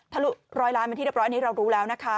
ลุร้อยล้านเป็นที่เรียบร้อยอันนี้เรารู้แล้วนะคะ